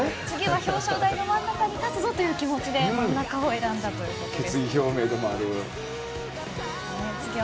次は表彰台の真ん中に立つぞという気持ちで真ん中を選んだそうです。